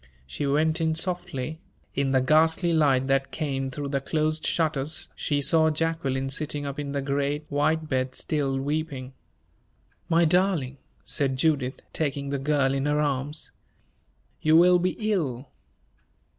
She went in softly. In the ghastly light that came through the closed shutters she saw Jacqueline sitting up in the great, white bed, still weeping. "My darling," said Judith, taking the girl in her arms, "you will be ill!"